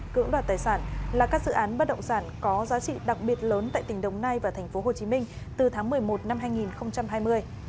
cưỡng đoạt tài sản là các dự án bất động sản có giá trị đặc biệt lớn tại tỉnh đồng nai và tp hcm từ tháng một mươi một năm hai nghìn hai mươi